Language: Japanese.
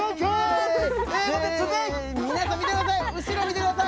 皆さん、後ろを見てください。